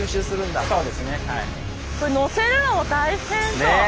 これのせるのも大変そう。